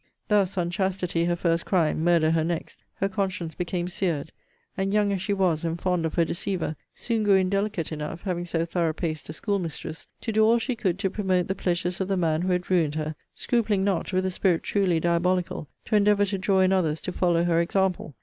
Thus, unchastity her first crime, murder her next, her conscience became seared; and, young as she was, and fond of her deceiver, soon grew indelicate enough, having so thorough paced a school mistress, to do all she could to promote the pleasures of the man who had ruined her; scrupling not, with a spirit truly diabolical, to endeavour to draw in others to follow her example.